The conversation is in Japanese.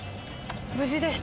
無事でした！